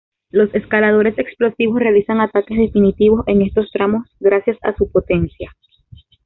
Los escaladores explosivos realizan ataques definitivos en estos tramos gracias a su potencia.